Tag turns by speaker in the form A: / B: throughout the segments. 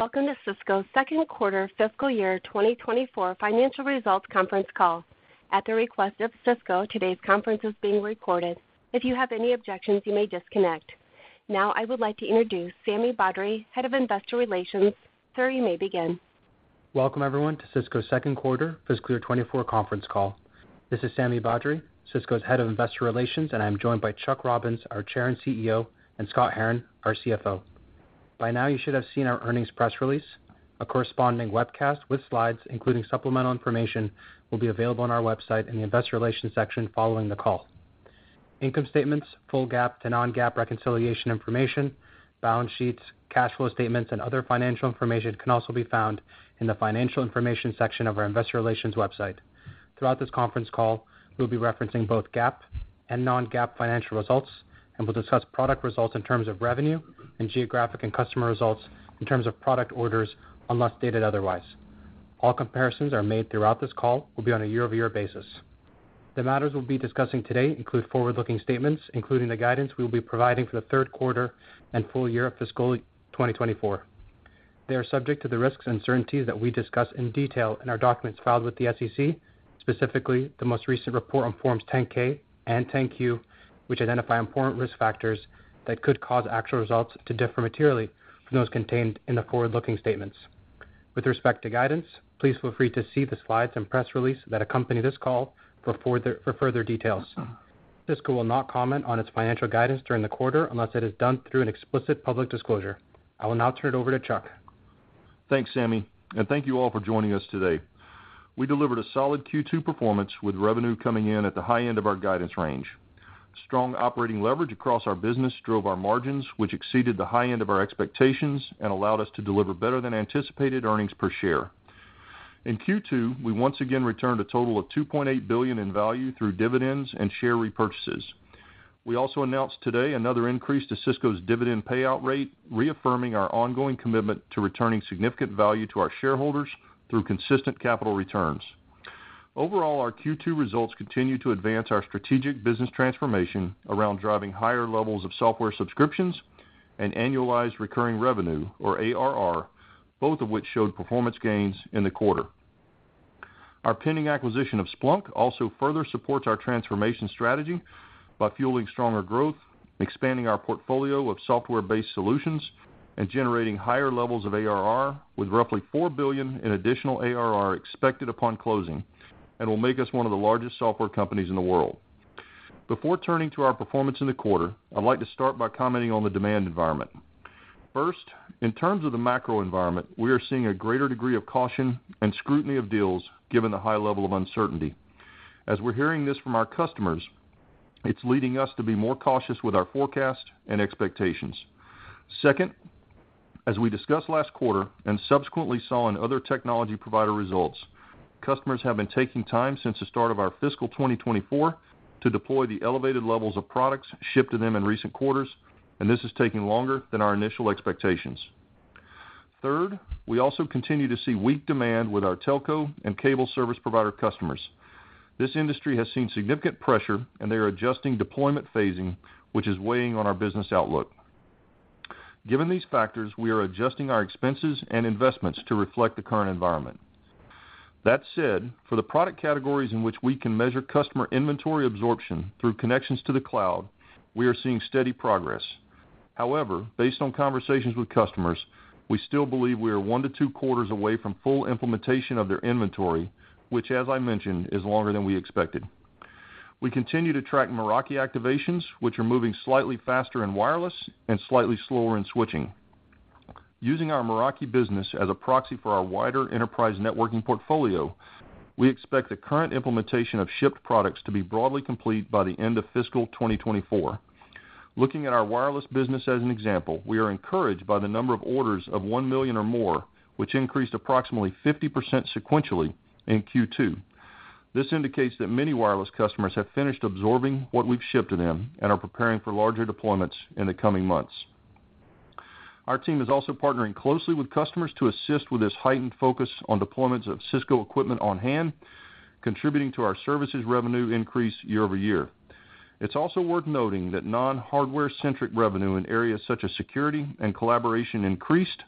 A: Welcome to Cisco's second quarter fiscal year 2024 financial results conference call. At the request of Cisco, today's conference is being recorded. If you have any objections, you may disconnect. Now I would like to introduce Sami Badri, Head of Investor Relations. Sir, you may begin.
B: Welcome everyone to Cisco's second quarter fiscal year 2024 conference call. This is Sami Badri, Cisco's Head of Investor Relations, and I am joined by Chuck Robbins, our Chair and CEO, and Scott Herren, our CFO. By now you should have seen our earnings press release. A corresponding webcast with slides, including supplemental information, will be available on our website in the Investor Relations section following the call. Income statements, full GAAP to non-GAAP reconciliation information, balance sheets, cash flow statements, and other financial information can also be found in the Financial Information section of our Investor Relations website. Throughout this conference call, we will be referencing both GAAP and non-GAAP financial results, and we'll discuss product results in terms of revenue and geographic and customer results in terms of product orders, unless stated otherwise. All comparisons are made throughout this call, will be on a year-over-year basis. The matters we'll be discussing today include forward-looking statements, including the guidance we will be providing for the third quarter and full year of fiscal 2024. They are subject to the risks and uncertainties that we discuss in detail in our documents filed with the SEC, specifically the most recent report on Forms 10-K and 10-Q, which identify important risk factors that could cause actual results to differ materially from those contained in the forward-looking statements. With respect to guidance, please feel free to see the slides and press release that accompany this call for further details. Cisco will not comment on its financial guidance during the quarter unless it is done through an explicit public disclosure. I will now turn it over to Chuck.
C: Thanks, Sami, and thank you all for joining us today. We delivered a solid Q2 performance, with revenue coming in at the high end of our guidance range. Strong operating leverage across our business drove our margins, which exceeded the high end of our expectations and allowed us to deliver better than anticipated earnings per share. In Q2, we once again returned a total of $2.8 billion in value through dividends and share repurchases. We also announced today another increase to Cisco's dividend payout rate, reaffirming our ongoing commitment to returning significant value to our shareholders through consistent capital returns. Overall, our Q2 results continue to advance our strategic business transformation around driving higher levels of software subscriptions and annualized recurring revenue, or ARR, both of which showed performance gains in the quarter. Our pending acquisition of Splunk also further supports our transformation strategy by fueling stronger growth, expanding our portfolio of software-based solutions, and generating higher levels of ARR, with roughly $4 billion in additional ARR expected upon closing, and will make us one of the largest software companies in the world. Before turning to our performance in the quarter, I'd like to start by commenting on the demand environment. First, in terms of the macro environment, we are seeing a greater degree of caution and scrutiny of deals given the high level of uncertainty. As we're hearing this from our customers, it's leading us to be more cautious with our forecast and expectations. Second, as we discussed last quarter and subsequently saw in other technology provider results, customers have been taking time since the start of our fiscal 2024 to deploy the elevated levels of products shipped to them in recent quarters, and this is taking longer than our initial expectations. Third, we also continue to see weak demand with our telco and cable service provider customers. This industry has seen significant pressure, and they are adjusting deployment phasing, which is weighing on our business outlook. Given these factors, we are adjusting our expenses and investments to reflect the current environment. That said, for the product categories in which we can measure customer inventory absorption through connections to the cloud, we are seeing steady progress. However, based on conversations with customers, we still believe we are one to two quarters away from full implementation of their inventory, which, as I mentioned, is longer than we expected. We continue to track Meraki activations, which are moving slightly faster in wireless and slightly slower in switching. Using our Meraki business as a proxy for our wider enterprise networking portfolio, we expect the current implementation of shipped products to be broadly complete by the end of fiscal 2024. Looking at our wireless business as an example, we are encouraged by the number of orders of one million or more, which increased approximately 50% sequentially in Q2. This indicates that many wireless customers have finished absorbing what we've shipped to them and are preparing for larger deployments in the coming months. Our team is also partnering closely with customers to assist with this heightened focus on deployments of Cisco equipment on hand, contributing to our services revenue increase year-over-year. It's also worth noting that non-hardware-centric revenue in areas such as security and collaboration increased,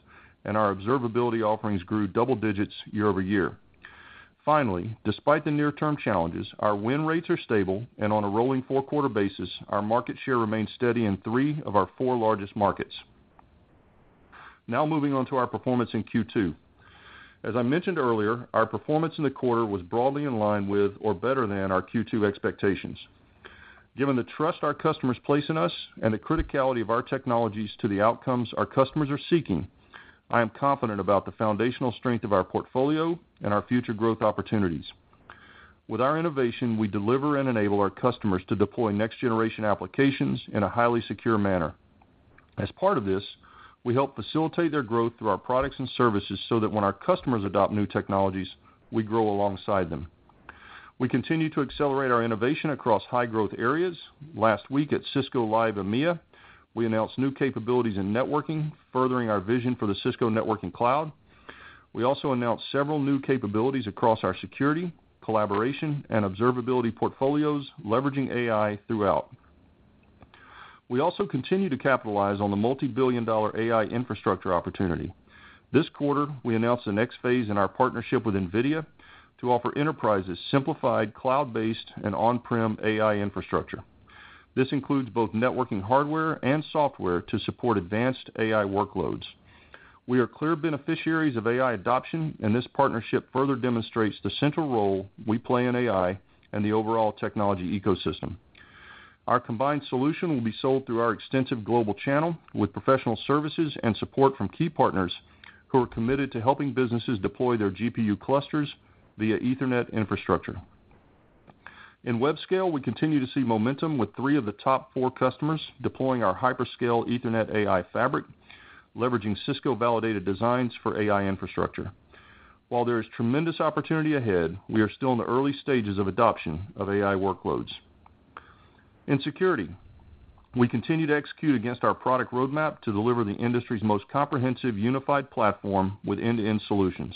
C: and our observability offerings grew double digits year-over-year. Finally, despite the near-term challenges, our win rates are stable, and on a rolling four-quarter basis, our market share remains steady in three of our four largest markets. Now moving on to our performance in Q2. As I mentioned earlier, our performance in the quarter was broadly in line with, or better than, our Q2 expectations. Given the trust our customers place in us and the criticality of our technologies to the outcomes our customers are seeking, I am confident about the foundational strength of our portfolio and our future growth opportunities. With our innovation, we deliver and enable our customers to deploy next-generation applications in a highly secure manner. As part of this, we help facilitate their growth through our products and services so that when our customers adopt new technologies, we grow alongside them. We continue to accelerate our innovation across high-growth areas. Last week at Cisco Live EMEA, we announced new capabilities in networking, furthering our vision for the Cisco Networking Cloud. We also announced several new capabilities across our security, collaboration, and observability portfolios, leveraging AI throughout. We also continue to capitalize on the multi-billion-dollar AI infrastructure opportunity. This quarter, we announced the next phase in our partnership with NVIDIA to offer enterprises simplified, cloud-based, and on-prem AI infrastructure. This includes both networking hardware and software to support advanced AI workloads. We are clear beneficiaries of AI adoption, and this partnership further demonstrates the central role we play in AI and the overall technology ecosystem. Our combined solution will be sold through our extensive global channel, with professional services and support from key partners who are committed to helping businesses deploy their GPU clusters via Ethernet infrastructure. In webscale, we continue to see momentum, with three of the top four customers deploying our hyperscale Ethernet AI fabric, leveraging Cisco Validated Designs for AI infrastructure. While there is tremendous opportunity ahead, we are still in the early stages of adoption of AI workloads. In security, we continue to execute against our product roadmap to deliver the industry's most comprehensive unified platform with end-to-end solutions.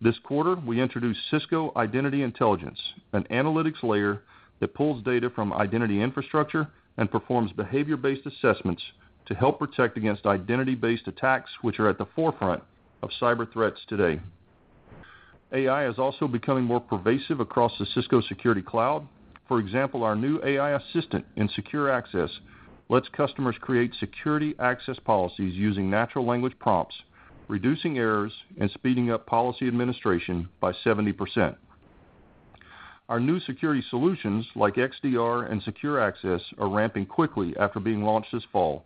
C: This quarter, we introduced Cisco Identity Intelligence, an analytics layer that pulls data from identity infrastructure and performs behavior-based assessments to help protect against identity-based attacks, which are at the forefront of cyber threats today. AI is also becoming more pervasive across the Cisco Security Cloud. For example, our new AI assistant in Secure Access lets customers create security access policies using natural language prompts, reducing errors and speeding up policy administration by 70%. Our new security solutions, like XDR and Secure Access, are ramping quickly after being launched this fall,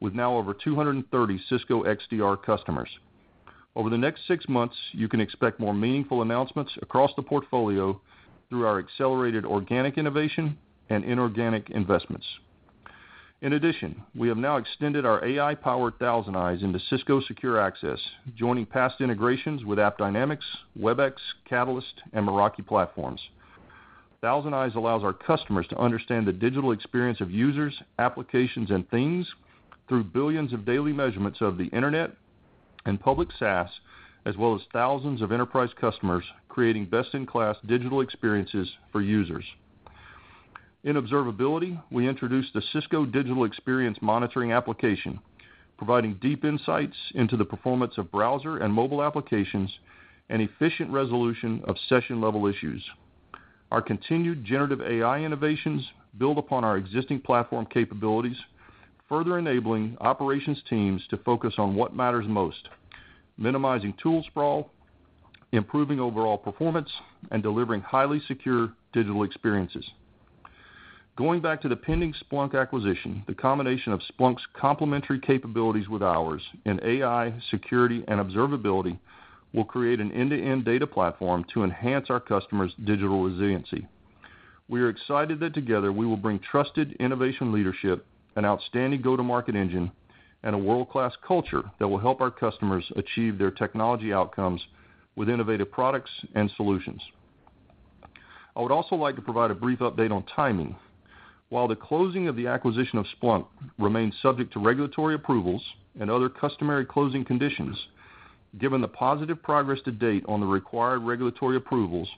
C: with now over 230 Cisco XDR customers. Over the next six months, you can expect more meaningful announcements across the portfolio through our accelerated organic innovation and inorganic investments. In addition, we have now extended our AI-powered ThousandEyes into Cisco Secure Access, joining past integrations with AppDynamics, Webex, Catalyst, and Meraki platforms. ThousandEyes allows our customers to understand the digital experience of users, applications, and things through billions of daily measurements of the internet and public SaaS, as well as thousands of enterprise customers creating best-in-class digital experiences for users. In observability, we introduced the Cisco Digital Experience Monitoring application, providing deep insights into the performance of browser and mobile applications and efficient resolution of session-level issues. Our continued generative AI innovations build upon our existing platform capabilities, further enabling operations teams to focus on what matters most, minimizing tool sprawl, improving overall performance, and delivering highly secure digital experiences. Going back to the pending Splunk acquisition, the combination of Splunk's complementary capabilities with ours in AI, security, and observability will create an end-to-end data platform to enhance our customers' digital resiliency. We are excited that together we will bring trusted innovation leadership, an outstanding go-to-market engine, and a world-class culture that will help our customers achieve their technology outcomes with innovative products and solutions. I would also like to provide a brief update on timing. While the closing of the acquisition of Splunk remains subject to regulatory approvals and other customary closing conditions, given the positive progress to date on the required regulatory approvals,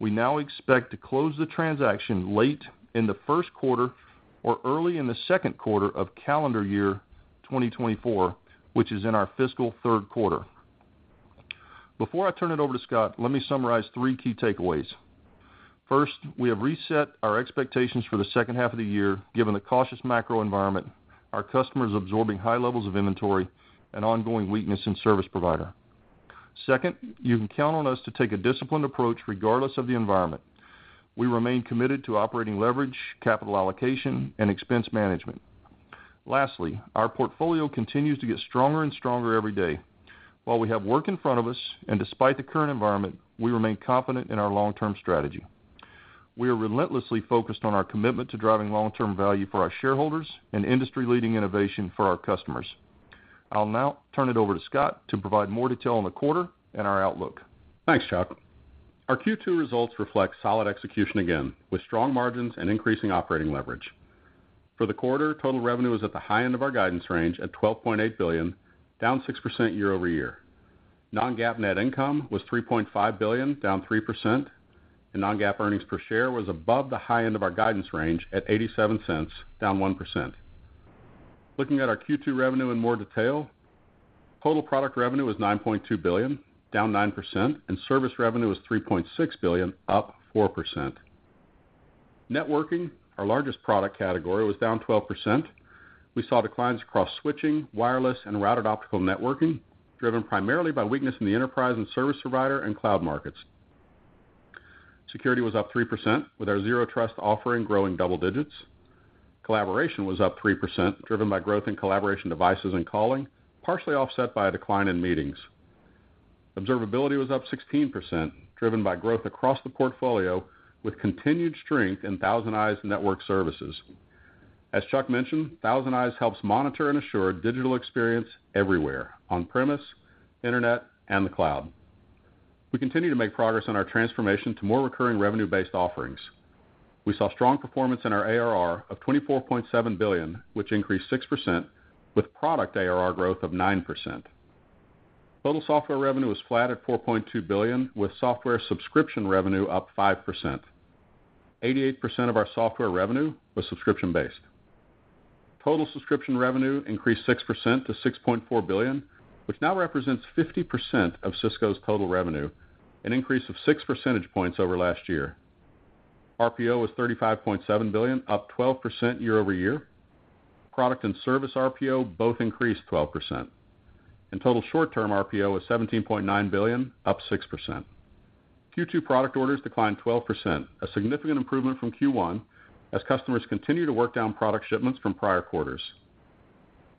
C: we now expect to close the transaction late in the first quarter or early in the second quarter of calendar year 2024, which is in our fiscal third quarter. Before I turn it over to Scott, let me summarize three key takeaways. First, we have reset our expectations for the second half of the year, given the cautious macro environment, our customers absorbing high levels of inventory, and ongoing weakness in service provider. Second, you can count on us to take a disciplined approach regardless of the environment. We remain committed to operating leverage, capital allocation, and expense management. Lastly, our portfolio continues to get stronger and stronger every day. While we have work in front of us and despite the current environment, we remain confident in our long-term strategy. We are relentlessly focused on our commitment to driving long-term value for our shareholders and industry-leading innovation for our customers. I'll now turn it over to Scott to provide more detail on the quarter and our outlook.
D: Thanks, Chuck. Our Q2 results reflect solid execution again, with strong margins and increasing operating leverage. For the quarter, total revenue is at the high end of our guidance range at $12.8 billion, down 6% year-over-year. Non-GAAP net income was $3.5 billion, down 3%, and non-GAAP earnings per share was above the high end of our guidance range at $0.87, down 1%. Looking at our Q2 revenue in more detail, total product revenue is $9.2 billion, down 9%, and service revenue is $3.6 billion, up 4%. Networking, our largest product category, was down 12%. We saw declines across switching, wireless, and routed optical networking, driven primarily by weakness in the enterprise and service provider and cloud markets. Security was up 3%, with our zero trust offering growing double digits. Collaboration was up 3%, driven by growth in collaboration devices and calling, partially offset by a decline in meetings. Observability was up 16%, driven by growth across the portfolio, with continued strength in ThousandEyes network services. As Chuck mentioned, ThousandEyes helps monitor and assure digital experience everywhere: on-premise, internet, and the cloud. We continue to make progress in our transformation to more recurring revenue-based offerings. We saw strong performance in our ARR of $24.7 billion, which increased 6%, with product ARR growth of 9%. Total software revenue was flat at $4.2 billion, with software subscription revenue up 5%. 88% of our software revenue was subscription-based. Total subscription revenue increased 6% to $6.4 billion, which now represents 50% of Cisco's total revenue, an increase of 6 percentage points over last year. RPO was $35.7 billion, up 12% year-over-year. Product and service RPO both increased 12%, and total short-term RPO was $17.9 billion, up 6%. Q2 product orders declined 12%, a significant improvement from Q1 as customers continue to work down product shipments from prior quarters.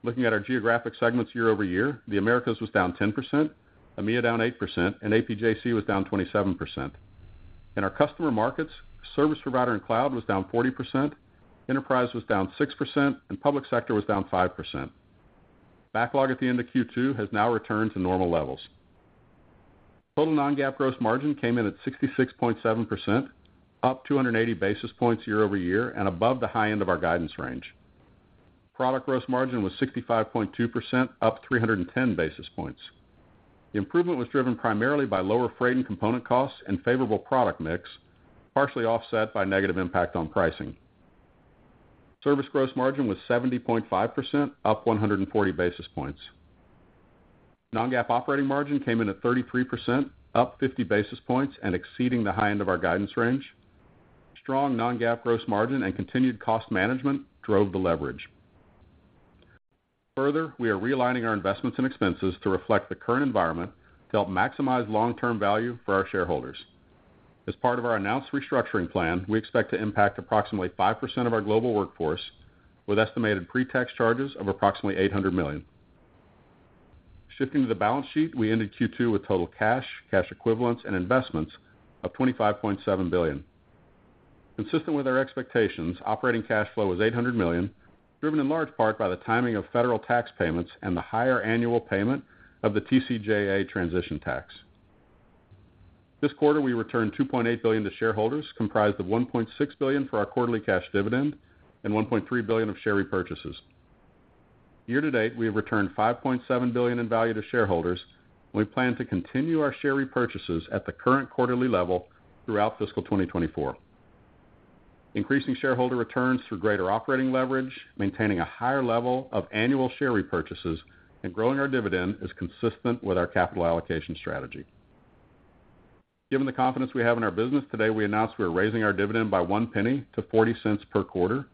D: Looking at our geographic segments year-over-year, the Americas was down 10%, EMEA down 8%, and APJC was down 27%. In our customer markets, service provider and cloud was down 40%, enterprise was down 6%, and public sector was down 5%. Backlog at the end of Q2 has now returned to normal levels. Total Non-GAAP gross margin came in at 66.7%, up 280 basis points year-over-year and above the high end of our guidance range. Product gross margin was 65.2%, up 310 basis points. The improvement was driven primarily by lower freight and component costs and favorable product mix, partially offset by negative impact on pricing. Service gross margin was 70.5%, up 140 basis points. Non-GAAP operating margin came in at 33%, up 50 basis points and exceeding the high end of our guidance range. Strong non-GAAP gross margin and continued cost management drove the leverage. Further, we are realigning our investments and expenses to reflect the current environment to help maximize long-term value for our shareholders. As part of our announced restructuring plan, we expect to impact approximately 5% of our global workforce, with estimated pre-tax charges of approximately $800 million. Shifting to the balance sheet, we ended Q2 with total cash, cash equivalents, and investments of $25.7 billion. Consistent with our expectations, operating cash flow was $800 million, driven in large part by the timing of federal tax payments and the higher annual payment of the TCJA transition tax. This quarter, we returned $2.8 billion to shareholders, comprised of $1.6 billion for our quarterly cash dividend and $1.3 billion of share repurchases. Year to date, we have returned $5.7 billion in value to shareholders, and we plan to continue our share repurchases at the current quarterly level throughout fiscal 2024. Increasing shareholder returns through greater operating leverage, maintaining a higher level of annual share repurchases, and growing our dividend is consistent with our capital allocation strategy. Given the confidence we have in our business today, we announced we are raising our dividend by one penny to $0.40 per quarter.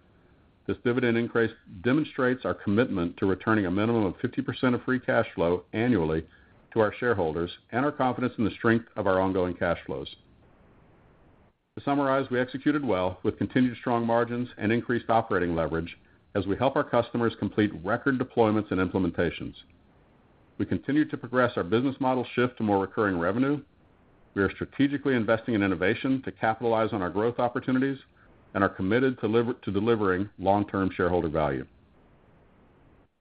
D: This dividend increase demonstrates our commitment to returning a minimum of 50% of free cash flow annually to our shareholders and our confidence in the strength of our ongoing cash flows. To summarize, we executed well with continued strong margins and increased operating leverage as we help our customers complete record deployments and implementations. We continue to progress our business model shift to more recurring revenue. We are strategically investing in innovation to capitalize on our growth opportunities and are committed to delivering long-term shareholder value.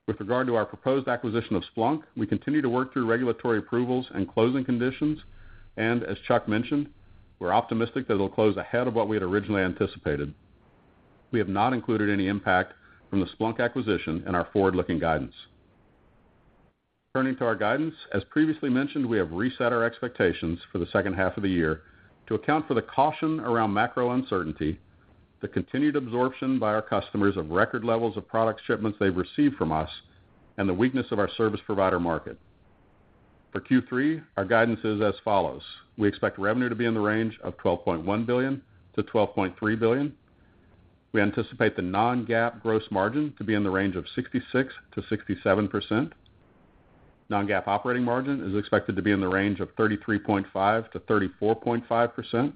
D: With regard to our proposed acquisition of Splunk, we continue to work through regulatory approvals and closing conditions, and as Chuck mentioned, we're optimistic that it'll close ahead of what we had originally anticipated. We have not included any impact from the Splunk acquisition in our forward-looking guidance. Turning to our guidance, as previously mentioned, we have reset our expectations for the second half of the year to account for the caution around macro uncertainty, the continued absorption by our customers of record levels of product shipments they've received from us, and the weakness of our service provider market. For Q3, our guidance is as follows. We expect revenue to be in the range of $12.1 billion-$12.3 billion. We anticipate the non-GAAP gross margin to be in the range of 66%-67%. Non-GAAP operating margin is expected to be in the range of 33.5%-34.5%.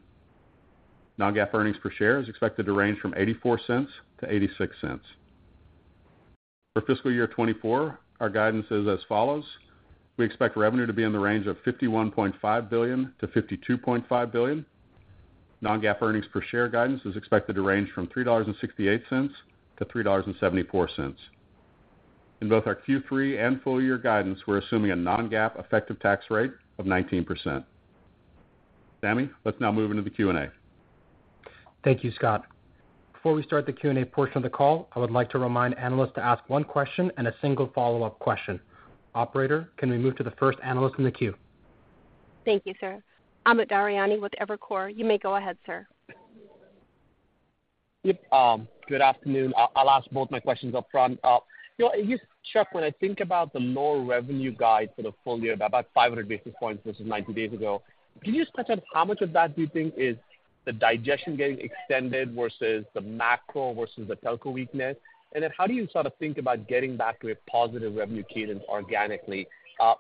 D: Non-GAAP earnings per share is expected to range from $0.84-$0.86. For fiscal year 2024, our guidance is as follows. We expect revenue to be in the range of $51.5-$52.5 billion. Non-GAAP earnings per share guidance is expected to range from $3.68-$3.74. In both our Q3 and full-year guidance, we're assuming a non-GAAP effective tax rate of 19%. Sami, let's now move into the Q&A.
B: Thank you, Scott. Before we start the Q&A portion of the call, I would like to remind analysts to ask one question and a single follow-up question. Operator, can we move to the first analyst in the queue?
A: Thank you, sir. Amit Daryanani with Evercore. You may go ahead, sir.
E: Yep. Good afternoon. I'll ask both my questions up front. Chuck, when I think about the lower revenue guide for the full year, about 500 basis points versus 90 days ago, can you just touch on how much of that do you think is the digestion getting extended versus the macro versus the telco weakness? And then how do you sort of think about getting back to a positive revenue cadence organically?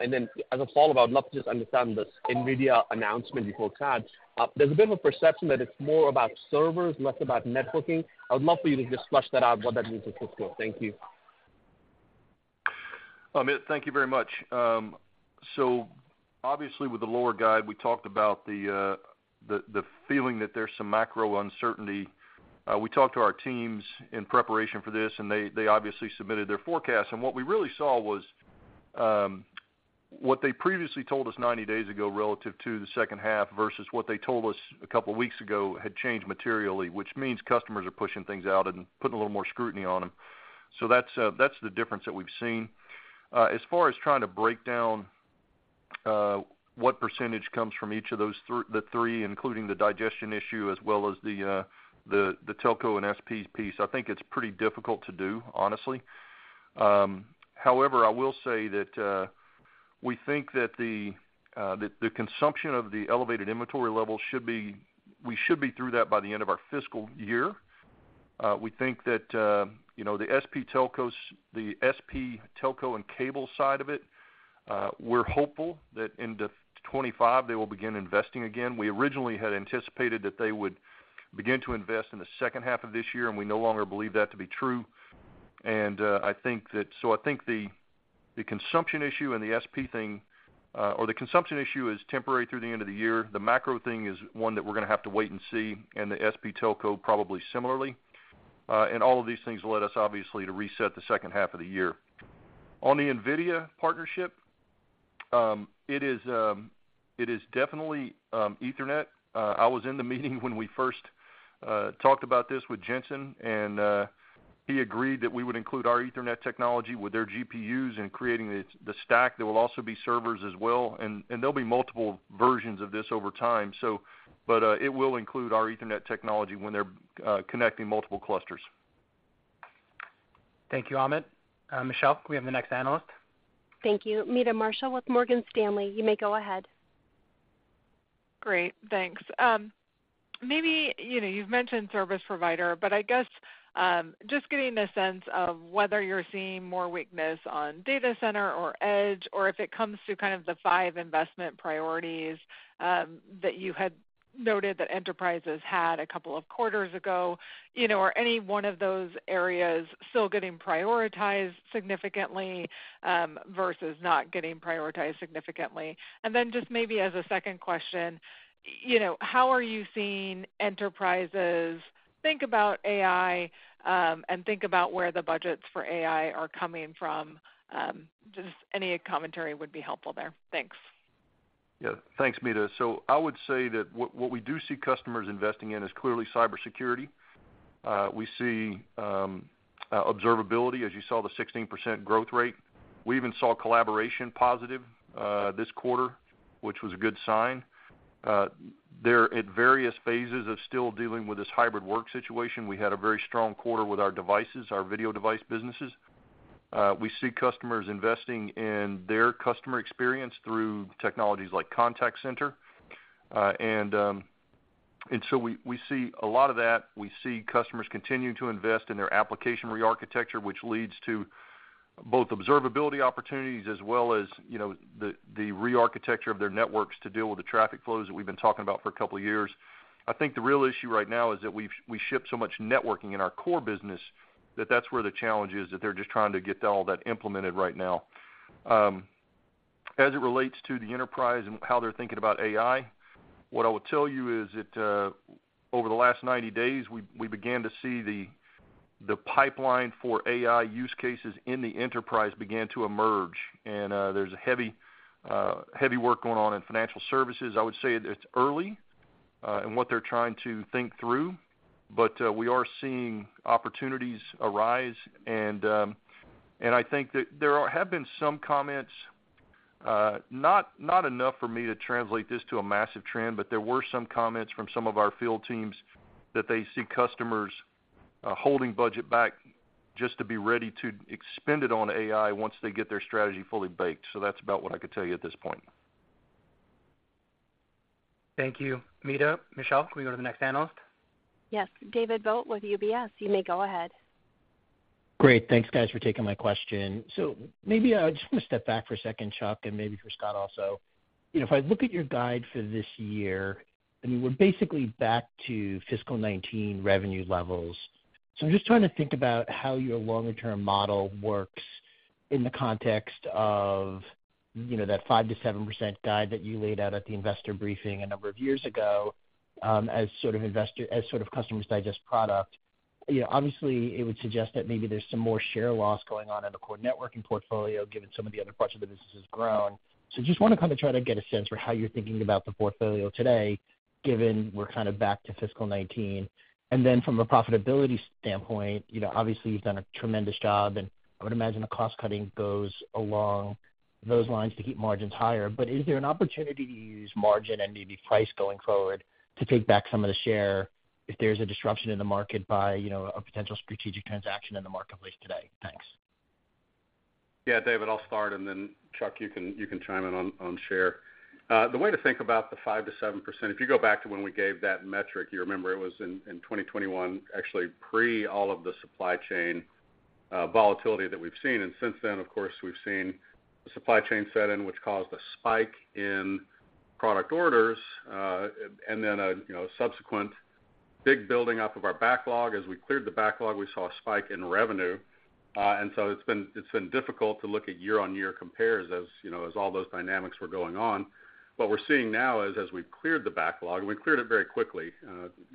E: And then as a follow-up, I'd love to just understand this NVIDIA announcement better, Chuck. There's a bit of a perception that it's more about servers, less about networking. I would love for you to just flush that out, what that means to Cisco. Thank you.
C: Thank you very much. So obviously, with the lower guide, we talked about the feeling that there's some macro uncertainty. We talked to our teams in preparation for this, and they obviously submitted their forecasts. And what we really saw was what they previously told us 90 days ago relative to the second half versus what they told us a couple of weeks ago had changed materially, which means customers are pushing things out and putting a little more scrutiny on them. So that's the difference that we've seen. As far as trying to break down what percentage comes from each of those three, including the digestion issue as well as the telco and SPs piece, I think it's pretty difficult to do, honestly. However, I will say that we think that the consumption of the elevated inventory level should be we should be through that by the end of our fiscal year. We think that the SP telco and cable side of it, we're hopeful that in 2025, they will begin investing again. We originally had anticipated that they would begin to invest in the second half of this year, and we no longer believe that to be true. And so I think the consumption issue and the SP thing or the consumption issue is temporary through the end of the year. The macro thing is one that we're going to have to wait and see, and the SP telco probably similarly. And all of these things led us, obviously, to reset the second half of the year. On the NVIDIA partnership, it is definitely Ethernet. I was in the meeting when we first talked about this with Jensen, and he agreed that we would include our Ethernet technology with their GPUs and creating the stack. There will also be servers as well, and there'll be multiple versions of this over time. But it will include our Ethernet technology when they're connecting multiple clusters.
B: Thank you, Amit. Michelle, we have the next analyst.
A: Thank you. Meta Marshall with Morgan Stanley. You may go ahead.
F: Great. Thanks. Maybe you've mentioned service provider, but I guess just getting a sense of whether you're seeing more weakness on data center or edge, or if it comes to kind of the five investment priorities that you had noted that enterprises had a couple of quarters ago, are any one of those areas still getting prioritized significantly versus not getting prioritized significantly? And then just maybe as a second question, how are you seeing enterprises think about AI and think about where the budgets for AI are coming from? Just any commentary would be helpful there. Thanks.
C: Yeah. Thanks, Meta. So I would say that what we do see customers investing in is clearly cybersecurity. We see observability, as you saw the 16% growth rate. We even saw collaboration positive this quarter, which was a good sign. They're at various phases of still dealing with this hybrid work situation. We had a very strong quarter with our devices, our video device businesses. We see customers investing in their customer experience through technologies like contact center. And so we see a lot of that. We see customers continuing to invest in their application rearchitecture, which leads to both observability opportunities as well as the rearchitecture of their networks to deal with the traffic flows that we've been talking about for a couple of years. I think the real issue right now is that we ship so much networking in our core business that that's where the challenge is, that they're just trying to get all that implemented right now. As it relates to the enterprise and how they're thinking about AI, what I will tell you is that over the last 90 days, we began to see the pipeline for AI use cases in the enterprise begin to emerge. And there's heavy work going on in financial services. I would say it's early in what they're trying to think through, but we are seeing opportunities arise. I think that there have been some comments not enough for me to translate this to a massive trend, but there were some comments from some of our field teams that they see customers holding budget back just to be ready to expend it on AI once they get their strategy fully baked. That's about what I could tell you at this point.
B: Thank you, Meta. Michelle, can we go to the next analyst?
A: Yes. David Vogt with UBS. You may go ahead.
G: Great. Thanks, guys, for taking my question. So maybe I just want to step back for a second, Chuck, and maybe for Scott also. If I look at your guide for this year, I mean, we're basically back to fiscal 2019 revenue levels. So I'm just trying to think about how your longer-term model works in the context of that 5%-7% guide that you laid out at the investor briefing a number of years ago as sort of customers digest product. Obviously, it would suggest that maybe there's some more share loss going on in the core networking portfolio given some of the other parts of the business has grown. So I just want to kind of try to get a sense for how you're thinking about the portfolio today given we're kind of back to fiscal 2019. From a profitability standpoint, obviously, you've done a tremendous job, and I would imagine the cost-cutting goes along those lines to keep margins higher. But is there an opportunity to use margin and maybe price going forward to take back some of the share if there's a disruption in the market by a potential strategic transaction in the marketplace today? Thanks.
D: Yeah, David, I'll start, and then Chuck, you can chime in on share. The way to think about the 5%-7%, if you go back to when we gave that metric, you remember it was in 2021, actually pre all of the supply chain volatility that we've seen. And since then, of course, we've seen the supply chain set in, which caused a spike in product orders, and then a subsequent big building up of our backlog. As we cleared the backlog, we saw a spike in revenue. And so it's been difficult to look at year-on-year compares as all those dynamics were going on. What we're seeing now is as we've cleared the backlog, and we cleared it very quickly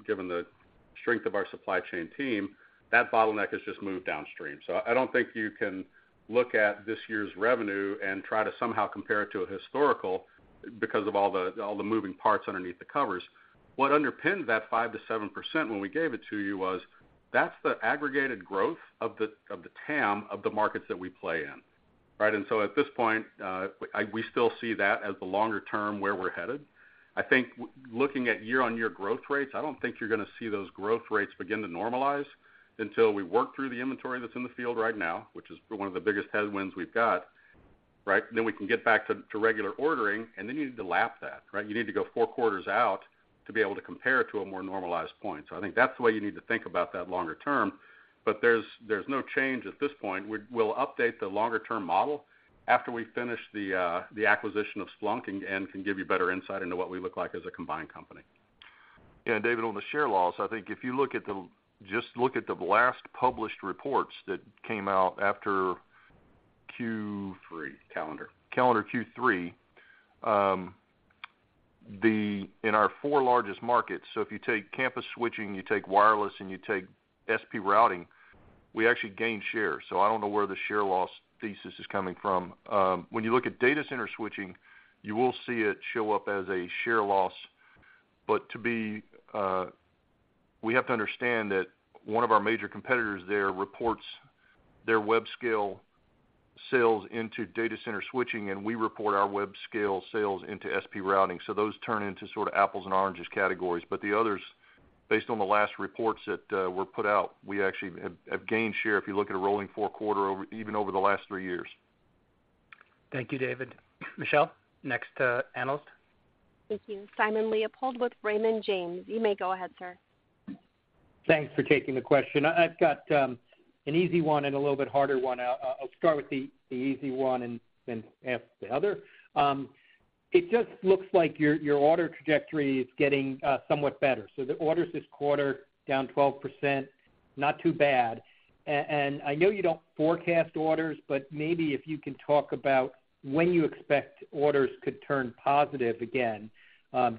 D: given the strength of our supply chain team, that bottleneck has just moved downstream. So I don't think you can look at this year's revenue and try to somehow compare it to a historical because of all the moving parts underneath the covers. What underpinned that 5%-7% when we gave it to you was that's the aggregated growth of the TAM of the markets that we play in, right? And so at this point, we still see that as the longer-term where we're headed. I think looking at year-on-year growth rates, I don't think you're going to see those growth rates begin to normalize until we work through the inventory that's in the field right now, which is one of the biggest headwinds we've got, right? Then we can get back to regular ordering, and then you need to lap that, right? You need to go four quarters out to be able to compare to a more normalized point. So I think that's the way you need to think about that longer term. But there's no change at this point. We'll update the longer-term model after we finish the acquisition of Splunk and can give you better insight into what we look like as a combined company.
C: Yeah. And David, on the share loss, I think if you look at the last published reports that came out after Q3.
D: Calendar.
C: Calendar Q3, in our four largest markets so if you take campus switching, you take wireless, and you take SP routing, we actually gained share. So I don't know where the share loss thesis is coming from. When you look at data center switching, you will see it show up as a share loss. But we have to understand that one of our major competitors there reports their web scale sales into data center switching, and we report our web scale sales into SP routing. So those turn into sort of apples and oranges categories. But the others, based on the last reports that were put out, we actually have gained share if you look at a rolling four quarter even over the last three years.
B: Thank you, David. Michelle, next analyst.
A: Thank you. Simon Leopold with Raymond James. You may go ahead, sir.
H: Thanks for taking the question. I've got an easy one and a little bit harder one. I'll start with the easy one and then ask the other. It just looks like your order trajectory is getting somewhat better. So the orders this quarter down 12%, not too bad. And I know you don't forecast orders, but maybe if you can talk about when you expect orders could turn positive again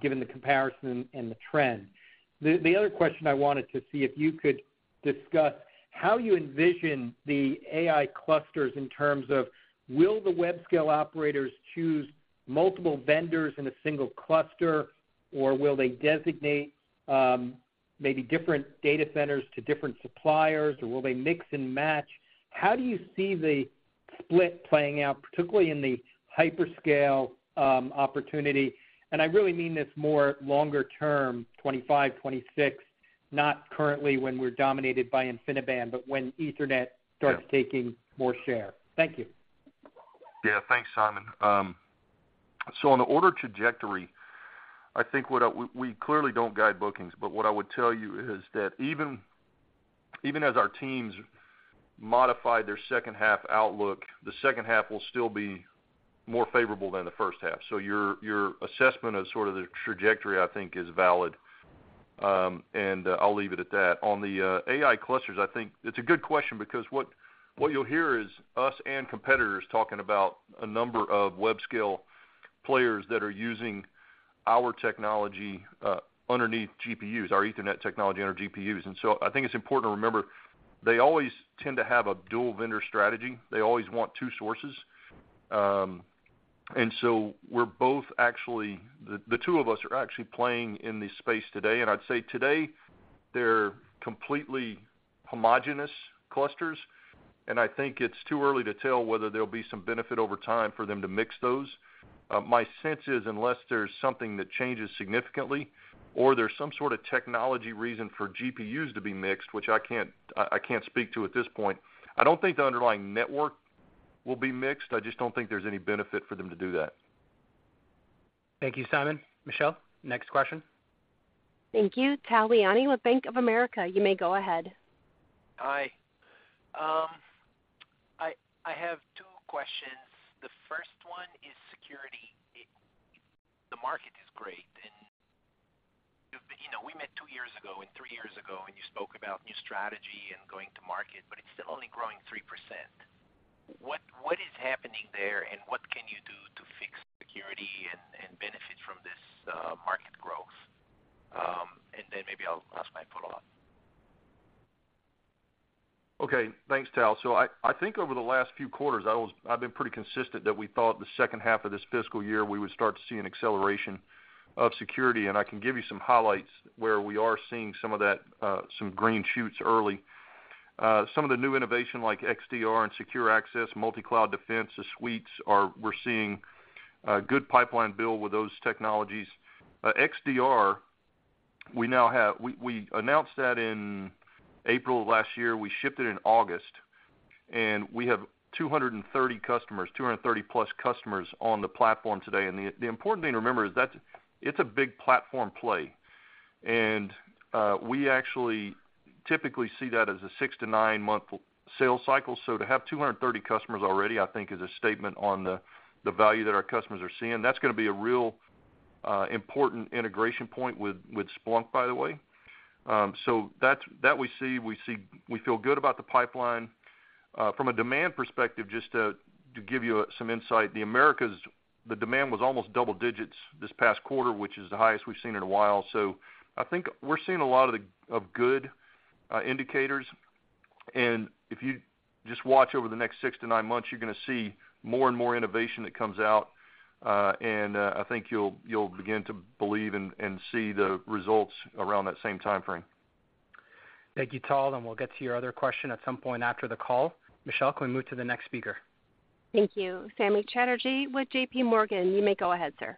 H: given the comparison and the trend. The other question I wanted to see if you could discuss how you envision the AI clusters in terms of will the web scale operators choose multiple vendors in a single cluster, or will they designate maybe different data centers to different suppliers, or will they mix and match? How do you see the split playing out, particularly in the hyperscale opportunity? I really mean this more longer term, 2025, 2026, not currently when we're dominated by InfiniBand, but when Ethernet starts taking more share. Thank you.
C: Yeah. Thanks, Simon. So on the order trajectory, I think we clearly don't guide bookings, but what I would tell you is that even as our teams modify their second-half outlook, the second half will still be more favorable than the first half. So your assessment of sort of the trajectory, I think, is valid, and I'll leave it at that. On the AI clusters, I think it's a good question because what you'll hear is us and competitors talking about a number of web scale players that are using our technology underneath GPUs, our Ethernet technology under GPUs. And so I think it's important to remember they always tend to have a dual vendor strategy. They always want two sources. And so we're both actually the two of us are actually playing in the space today. And I'd say today, they're completely homogeneous clusters. I think it's too early to tell whether there'll be some benefit over time for them to mix those. My sense is unless there's something that changes significantly or there's some sort of technology reason for GPUs to be mixed, which I can't speak to at this point, I don't think the underlying network will be mixed. I just don't think there's any benefit for them to do that.
B: Thank you, Simon. Michelle, next question.
A: Thank you. Tal Liani with Bank of America. You may go ahead.
I: Hi. I have two questions. The first one is security. The market is great, and we met two years ago and three years ago, and you spoke about new strategy and going to market, but it's still only growing 3%. What is happening there, and what can you do to fix security and benefit from this market growth? And then maybe I'll ask my follow-up.
C: Okay. Thanks, Tal. So I think over the last few quarters, I've been pretty consistent that we thought the second half of this fiscal year we would start to see an acceleration of security. And I can give you some highlights where we are seeing some of that, some green shoots early. Some of the new innovation like XDR and Secure Access, Multicloud Defense, the suites, we're seeing a good pipeline build with those technologies. XDR, we announced that in April of last year. We shipped it in August. And we have 230 customers, 230+ customers on the platform today. And the important thing to remember is it's a big platform play. And we actually typically see that as a six-to-nine-month sales cycle. So to have 230 customers already, I think, is a statement on the value that our customers are seeing. That's going to be a real important integration point with Splunk, by the way. So that we see. We feel good about the pipeline. From a demand perspective, just to give you some insight, the demand was almost double digits this past quarter, which is the highest we've seen in a while. So I think we're seeing a lot of good indicators. And if you just watch over the next six to nine months, you're going to see more and more innovation that comes out. And I think you'll begin to believe and see the results around that same time frame.
B: Thank you, Tal. We'll get to your other question at some point after the call. Michelle, can we move to the next speaker?
A: Thank you. Samik Chatterjee with JPMorgan. You may go ahead, sir.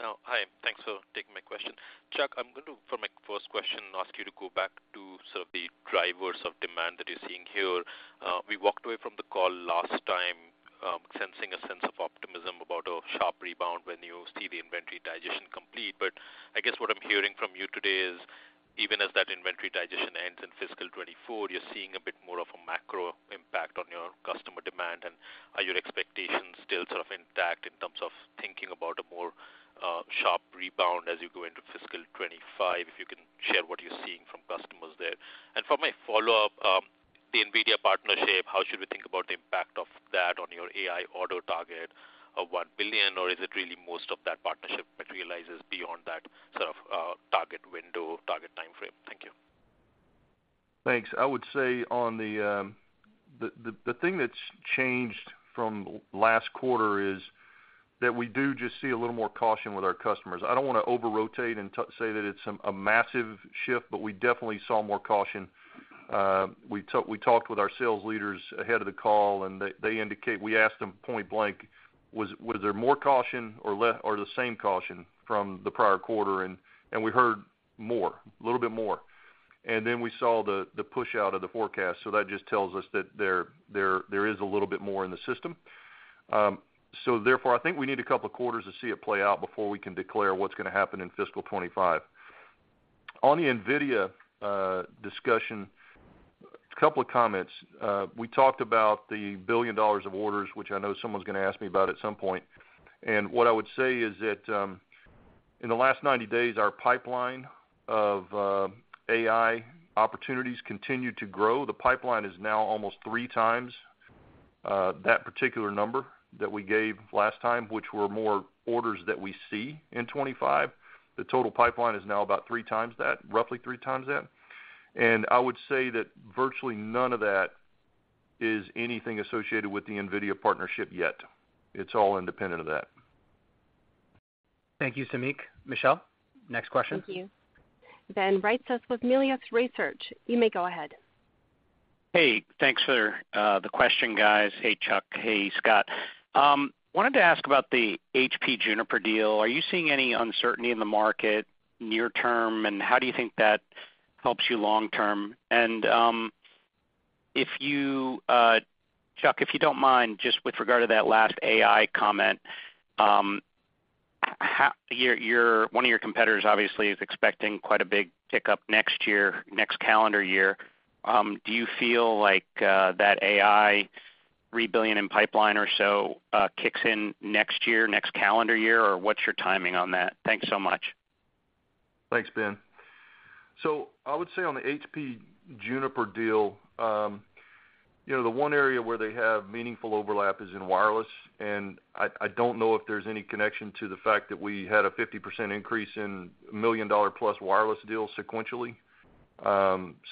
J: Hi. Thanks for taking my question. Chuck, I'm going to, for my first question, ask you to go back to sort of the drivers of demand that you're seeing here. We walked away from the call last time sensing a sense of optimism about a sharp rebound when you see the inventory digestion complete. But I guess what I'm hearing from you today is even as that inventory digestion ends in fiscal 2024, you're seeing a bit more of a macro impact on your customer demand. And are your expectations still sort of intact in terms of thinking about a more sharp rebound as you go into fiscal 2025? If you can share what you're seeing from customers there. For my follow-up, the NVIDIA partnership, how should we think about the impact of that on your AI order target of $1 billion, or is it really most of that partnership materializes beyond that sort of target window, target time frame? Thank you.
C: Thanks. I would say on the thing that's changed from last quarter is that we do just see a little more caution with our customers. I don't want to over-rotate and say that it's a massive shift, but we definitely saw more caution. We talked with our sales leaders ahead of the call, and they indicated we asked them point blank, "Was there more caution or the same caution from the prior quarter?" And we heard more, a little bit more. And then we saw the push out of the forecast. So that just tells us that there is a little bit more in the system. So therefore, I think we need a couple of quarters to see it play out before we can declare what's going to happen in fiscal 2025. On the NVIDIA discussion, a couple of comments. We talked about the $1 billion of orders, which I know someone's going to ask me about at some point. And what I would say is that in the last 90 days, our pipeline of AI opportunities continued to grow. The pipeline is now almost three times that particular number that we gave last time, which were more orders that we see in 2025. The total pipeline is now about three times that, roughly three times that. And I would say that virtually none of that is anything associated with the NVIDIA partnership yet. It's all independent of that.
B: Thank you, Samik. Michelle, next question.
A: Thank you. Then Ben Reitzes with Melius Research. You may go ahead.
K: Hey. Thanks for the question, guys. Hey, Chuck. Hey, Scott. Wanted to ask about the HP Juniper deal. Are you seeing any uncertainty in the market near term, and how do you think that helps you long term? And Chuck, if you don't mind, just with regard to that last AI comment, one of your competitors, obviously, is expecting quite a big pickup next year, next calendar year. Do you feel like that AI $3 billion in pipeline or so kicks in next year, next calendar year, or what's your timing on that? Thanks so much.
C: Thanks, Ben. So I would say on the HP Juniper deal, the one area where they have meaningful overlap is in wireless. And I don't know if there's any connection to the fact that we had a 50% increase in a million-dollar-plus wireless deals sequentially.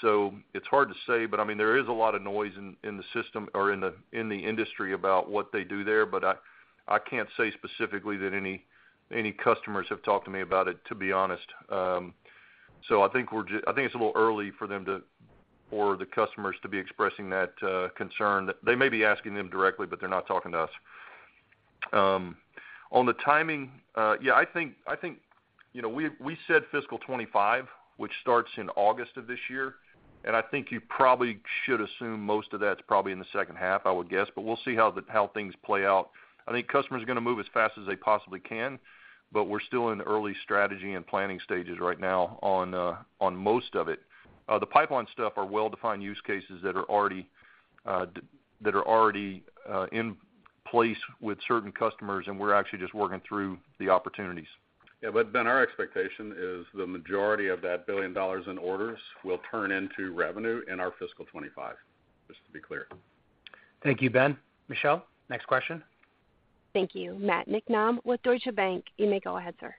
C: So it's hard to say. But I mean, there is a lot of noise in the system or in the industry about what they do there, but I can't say specifically that any customers have talked to me about it, to be honest. So I think it's a little early for the customers to be expressing that concern. They may be asking them directly, but they're not talking to us. On the timing, yeah, I think we said fiscal 2025, which starts in August of this year. And I think you probably should assume most of that's probably in the second half, I would guess. But we'll see how things play out. I think customers are going to move as fast as they possibly can, but we're still in early strategy and planning stages right now on most of it. The pipeline stuff are well-defined use cases that are already in place with certain customers, and we're actually just working through the opportunities.
D: Yeah. But, Ben, our expectation is the majority of that $1 billion in orders will turn into revenue in our fiscal 2025, just to be clear.
B: Thank you, Ben. Michelle, next question.
A: Thank you. Matt Niknam with Deutsche Bank. You may go ahead, sir.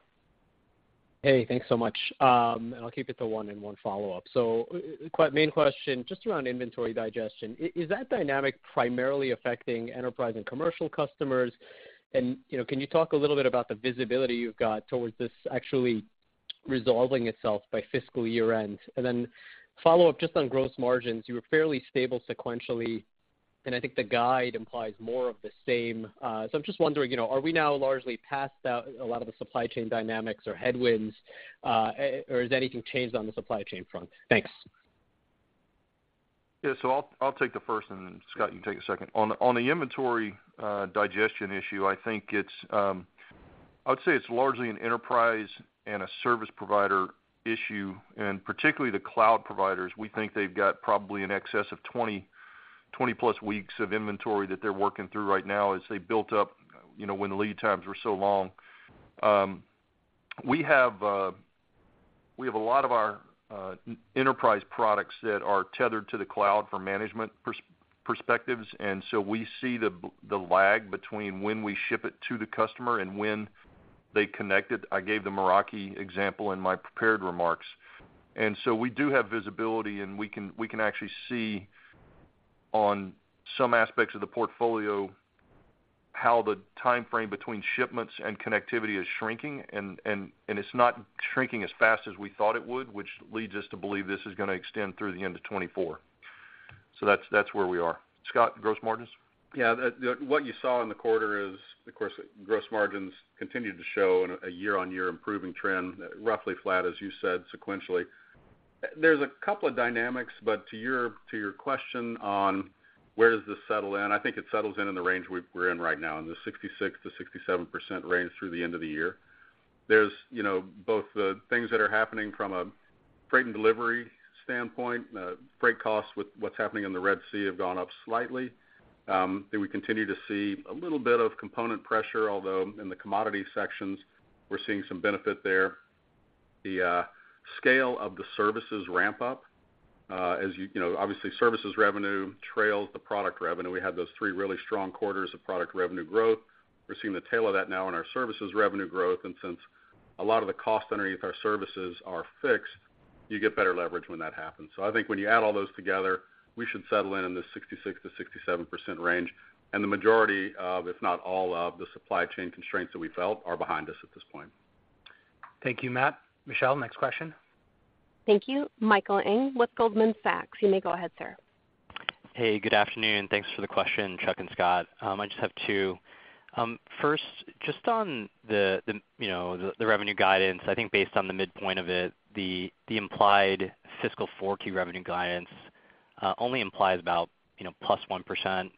L: Hey. Thanks so much. I'll keep it to one and one follow-up. So, main question just around inventory digestion. Is that dynamic primarily affecting enterprise and commercial customers? And can you talk a little bit about the visibility you've got towards this actually resolving itself by fiscal year-end? And then, follow-up just on gross margins. You were fairly stable sequentially, and I think the guide implies more of the same. So, I'm just wondering, are we now largely past a lot of the supply chain dynamics or headwinds, or is anything changed on the supply chain front? Thanks.
C: Yeah. So I'll take the first, and Scott, you take the second. On the inventory digestion issue, I think I would say it's largely an enterprise and a service provider issue. And particularly the cloud providers, we think they've got probably an excess of 20+ weeks of inventory that they're working through right now as they built up when the lead times were so long. We have a lot of our enterprise products that are tethered to the cloud from management perspectives. And so we see the lag between when we ship it to the customer and when they connect it. I gave the Meraki example in my prepared remarks. And so we do have visibility, and we can actually see on some aspects of the portfolio how the time frame between shipments and connectivity is shrinking. It's not shrinking as fast as we thought it would, which leads us to believe this is going to extend through the end of 2024. That's where we are. Scott, gross margins?
D: Yeah. What you saw in the quarter is, of course, gross margins continued to show a year-on-year improving trend, roughly flat, as you said, sequentially. There's a couple of dynamics. But to your question on where does this settle in, I think it settles in in the range we're in right now, in the 66%-67% range through the end of the year. There's both the things that are happening from a freight and delivery standpoint. Freight costs with what's happening in the Red Sea have gone up slightly. We continue to see a little bit of component pressure, although in the commodity sections, we're seeing some benefit there. The scale of the services ramp up. Obviously, services revenue trails the product revenue. We had those three really strong quarters of product revenue growth. We're seeing the tail of that now in our services revenue growth. Since a lot of the cost underneath our services are fixed, you get better leverage when that happens. I think when you add all those together, we should settle in the 66%-67% range. The majority of, if not all of, the supply chain constraints that we felt are behind us at this point.
B: Thank you, Matt. Michelle, next question.
A: Thank you. Michael Ng with Goldman Sachs. You may go ahead, sir.
M: Hey. Good afternoon. Thanks for the question, Chuck and Scott. I just have two. First, just on the revenue guidance, I think based on the midpoint of it, the implied fiscal 2024 revenue guidance only implies about +1%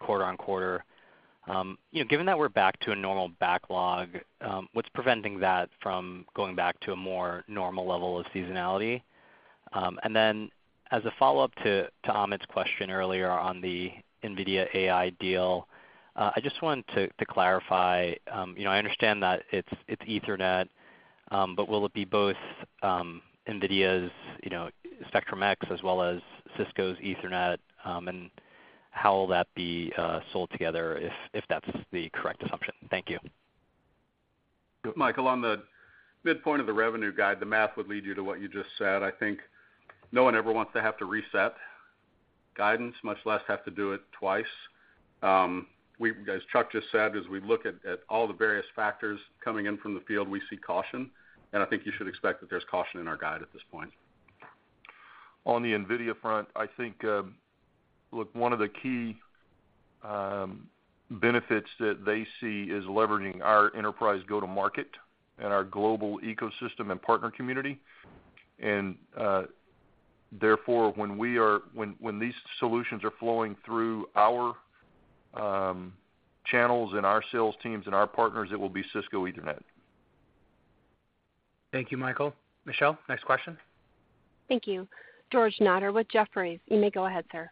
M: quarter-over-quarter. Given that we're back to a normal backlog, what's preventing that from going back to a more normal level of seasonality? And then as a follow-up to Amit's question earlier on the NVIDIA AI deal, I just wanted to clarify. I understand that it's Ethernet, but will it be both NVIDIA's Spectrum-X as well as Cisco's Ethernet, and how will that be sold together if that's the correct assumption? Thank you.
D: Good. Michael, on the midpoint of the revenue guide, the math would lead you to what you just said. I think no one ever wants to have to reset guidance, much less have to do it twice. As Chuck just said, as we look at all the various factors coming in from the field, we see caution. I think you should expect that there's caution in our guide at this point.
C: On the NVIDIA front, I think, look, one of the key benefits that they see is leveraging our enterprise go-to-market and our global ecosystem and partner community. And therefore, when these solutions are flowing through our channels and our sales teams and our partners, it will be Cisco Ethernet.
B: Thank you, Michael. Michelle, next question.
A: Thank you. George Notter with Jefferies. You may go ahead, sir.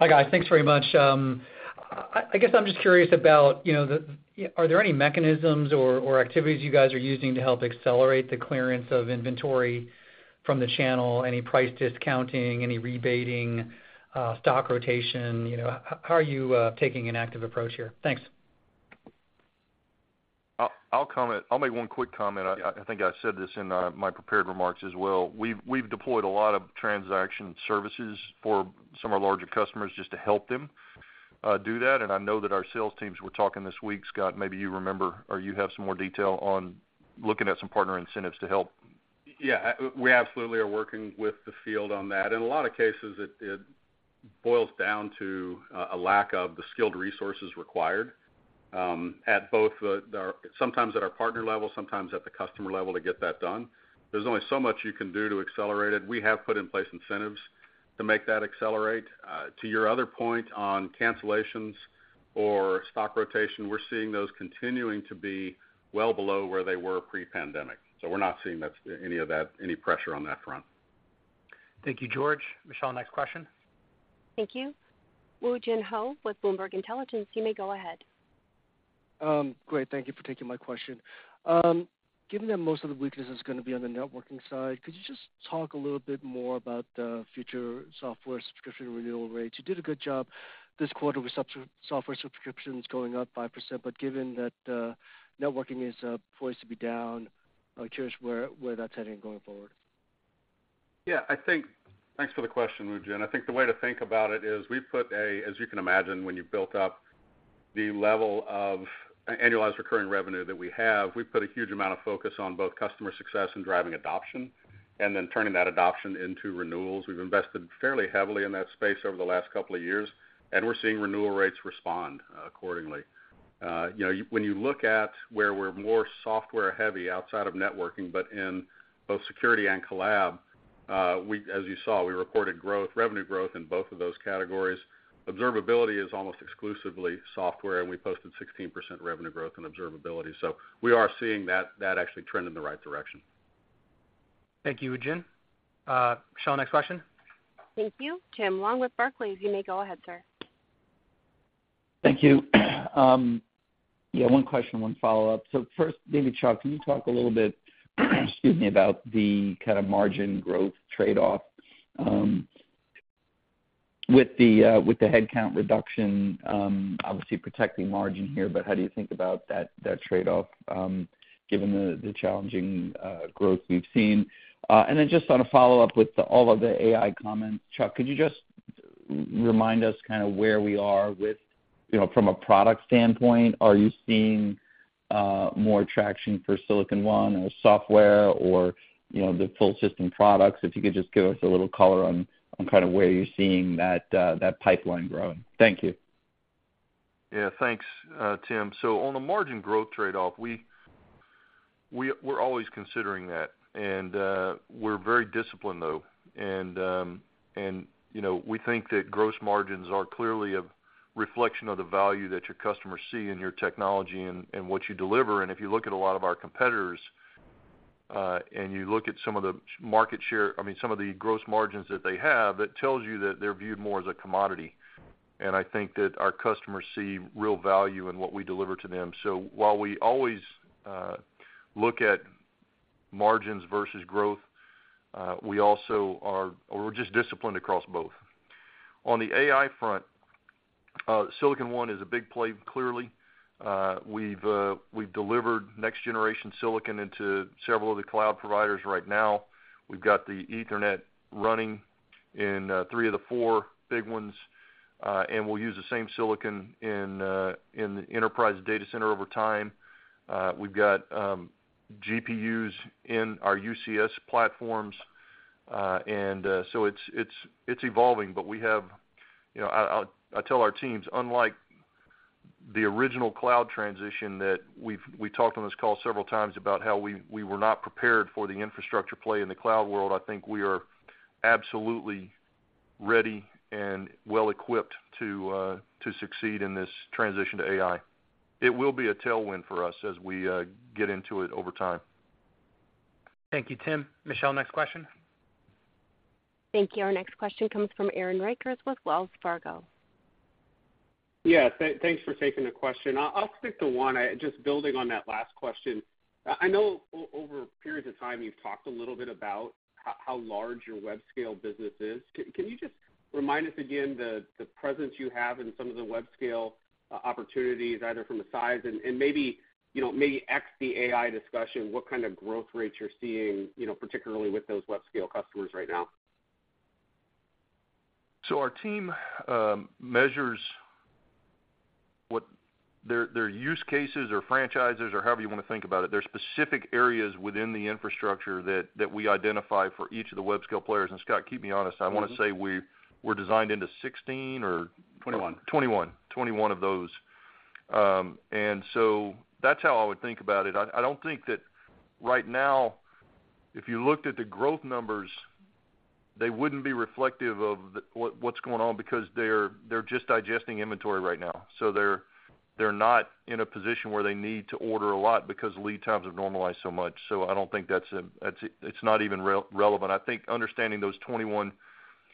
N: Hi, guys. Thanks very much. I guess I'm just curious about, are there any mechanisms or activities you guys are using to help accelerate the clearance of inventory from the channel? Any price discounting, any rebating, stock rotation? How are you taking an active approach here? Thanks.
C: I'll make one quick comment. I think I said this in my prepared remarks as well. We've deployed a lot of transaction services for some of our larger customers just to help them do that. And I know that our sales teams were talking this week. Scott, maybe you remember or you have some more detail on looking at some partner incentives to help.
D: Yeah. We absolutely are working with the field on that. In a lot of cases, it boils down to a lack of the skilled resources required at both sometimes at our partner level, sometimes at the customer level to get that done. There's only so much you can do to accelerate it. We have put in place incentives to make that accelerate. To your other point on cancellations or stock rotation, we're seeing those continuing to be well below where they were pre-pandemic. So we're not seeing any pressure on that front.
B: Thank you, George. Michelle, next question.
A: Thank you. Woo Jin Ho with Bloomberg Intelligence. You may go ahead.
O: Great. Thank you for taking my question. Given that most of the weakness is going to be on the networking side, could you just talk a little bit more about the future software subscription renewal rates? You did a good job this quarter with software subscriptions going up 5%. But given that networking is poised to be down, I'm curious where that's heading going forward.
D: Yeah. Thanks for the question, Woo Jin Ho. I think the way to think about it is we put, as you can imagine, when you built up the level of annualized recurring revenue that we have, we put a huge amount of focus on both customer success and driving adoption and then turning that adoption into renewals. We've invested fairly heavily in that space over the last couple of years, and we're seeing renewal rates respond accordingly. When you look at where we're more software-heavy outside of networking but in both security and collab, as you saw, we reported revenue growth in both of those categories. Observability is almost exclusively software, and we posted 16% revenue growth in observability. So we are seeing that actually trend in the right direction.
B: Thank you, Woo Jin Ho. Michelle, next question.
A: Thank you. Tim Long with Barclays. You may go ahead, sir.
P: Thank you. Yeah. One question, one follow-up. So first, maybe Chuck, can you talk a little bit - excuse me - about the kind of margin growth trade-off with the headcount reduction, obviously protecting margin here, but how do you think about that trade-off given the challenging growth we've seen? And then just on a follow-up with all of the AI comments, Chuck, could you just remind us kind of where we are from a product standpoint? Are you seeing more traction for Silicon One or software or the full-system products? If you could just give us a little color on kind of where you're seeing that pipeline growing. Thank you.
C: Yeah. Thanks, Tim. So on the margin growth trade-off, we're always considering that. We're very disciplined, though. We think that gross margins are clearly a reflection of the value that your customers see in your technology and what you deliver. If you look at a lot of our competitors and you look at some of the market share, I mean, some of the gross margins that they have, that tells you that they're viewed more as a commodity. I think that our customers see real value in what we deliver to them. So while we always look at margins versus growth, we also we're just disciplined across both. On the AI front, Silicon One is a big play, clearly. We've delivered next-generation silicon into several of the cloud providers right now. We've got the Ethernet running in three of the four big ones. We'll use the same silicon in the enterprise data center over time. We've got GPUs in our UCS platforms. And so it's evolving. But we have, I tell our teams, unlike the original cloud transition that we talked on this call several times about how we were not prepared for the infrastructure play in the cloud world, I think we are absolutely ready and well-equipped to succeed in this transition to AI. It will be a tailwind for us as we get into it over time.
B: Thank you, Tim. Michelle, next question.
A: Thank you. Our next question comes from Aaron Rakers with Wells Fargo.
Q: Yeah. Thanks for taking the question. I'll stick to one. Just building on that last question, I know over periods of time, you've talked a little bit about how large your web-scale business is. Can you just remind us again the presence you have in some of the web-scale opportunities, either from a size and maybe ex the AI discussion, what kind of growth rates you're seeing, particularly with those web-scale customers right now?
C: So our team measures what their use cases or franchises or however you want to think about it, there are specific areas within the infrastructure that we identify for each of the web-scale players. And Scott, keep me honest. I want to say we're designed into 16 or.
D: 21.
C: 21, 21 of those. And so that's how I would think about it. I don't think that right now, if you looked at the growth numbers, they wouldn't be reflective of what's going on because they're just digesting inventory right now. So they're not in a position where they need to order a lot because lead times have normalized so much. So I don't think that's a it's not even relevant. I think understanding those 21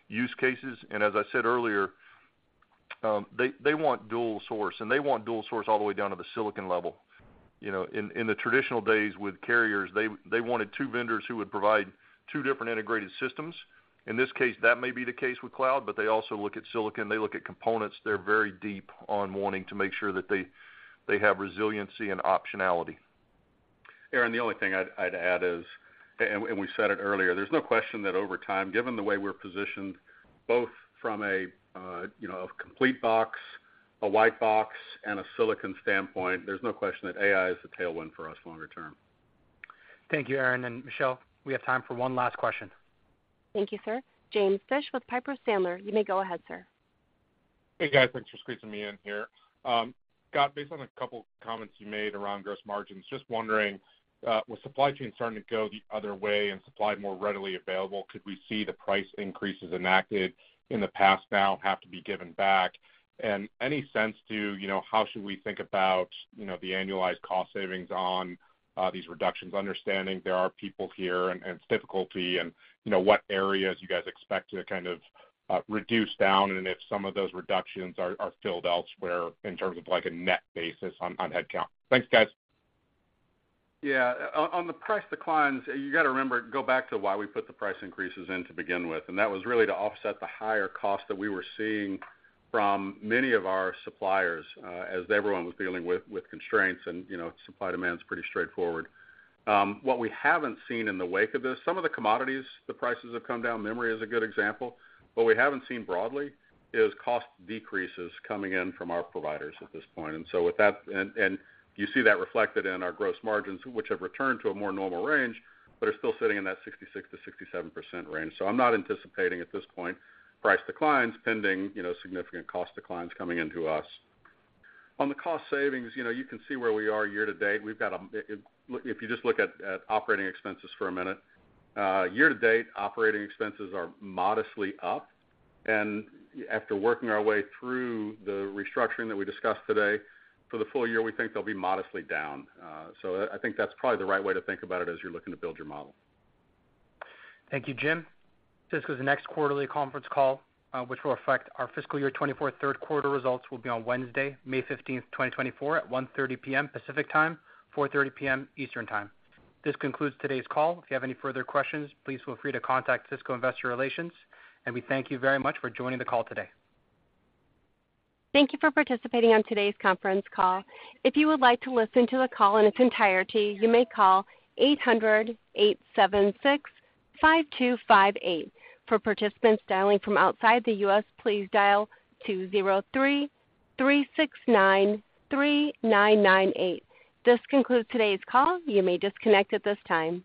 C: use cases and as I said earlier, they want dual source. And they want dual source all the way down to the silicon level. In the traditional days with carriers, they wanted two vendors who would provide two different integrated systems. In this case, that may be the case with cloud, but they also look at silicon. They look at components. They're very deep on wanting to make sure that they have resiliency and optionality.
D: Aaron, the only thing I'd add is, and we said it earlier. There's no question that over time, given the way we're positioned, both from a complete box, a white box, and a silicon standpoint, there's no question that AI is the tailwind for us longer term.
B: Thank you, Aaron. And Michelle, we have time for one last question.
A: Thank you, sir. James Fish with Piper Sandler. You may go ahead, sir.
R: Hey, guys. Thanks for squeezing me in here. Scott, based on a couple of comments you made around gross margins, just wondering, with supply chain starting to go the other way and supply more readily available, could we see the price increases enacted in the past now have to be given back? And any sense to how should we think about the annualized cost savings on these reductions, understanding there are people here and it's difficult, and what areas you guys expect to kind of reduce down and if some of those reductions are filled elsewhere in terms of a net basis on headcount? Thanks, guys.
D: Yeah. On the price declines, you got to remember to go back to why we put the price increases in to begin with. That was really to offset the higher cost that we were seeing from many of our suppliers as everyone was dealing with constraints. Supply demand's pretty straightforward. What we haven't seen in the wake of this, some of the commodities, the prices have come down. Memory is a good example. What we haven't seen broadly is cost decreases coming in from our providers at this point. And so with that, you see that reflected in our gross margins, which have returned to a more normal range but are still sitting in that 66%-67% range. So I'm not anticipating at this point price declines pending significant cost declines coming into us. On the cost savings, you can see where we are year to date. We've got, if you just look at operating expenses for a minute, year to date, operating expenses are modestly up. After working our way through the restructuring that we discussed today, for the full year, we think they'll be modestly down. I think that's probably the right way to think about it as you're looking to build your model.
B: Thank you, Jim. Cisco's next quarterly conference call, which will affect our fiscal year 2024 third quarter results, will be on Wednesday, May 15th, 2024, at 1:30 P.M. Pacific Time, 4:30 P.M. Eastern Time. This concludes today's call. If you have any further questions, please feel free to contact Cisco Investor Relations. We thank you very much for joining the call today.
A: Thank you for participating on today's conference call. If you would like to listen to the call in its entirety, you may call 800-876-5258. For participants dialing from outside the U.S., please dial 203-369-3998. This concludes today's call. You may disconnect at this time.